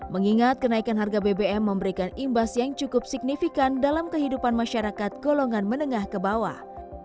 mengingat kenaikan harga bbm memberikan imbas yang cukup signifikan dalam kehidupan masyarakat golongan menengah ke bawah